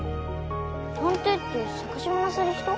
探偵って探しものする人？